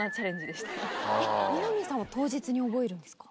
二宮さんは当日に覚えるんですか？